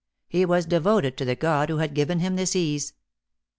He was devoted to the god who had given him this ease.